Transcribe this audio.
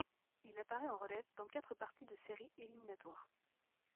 Il apparaît en relève dans quatre parties de séries éliminatoires.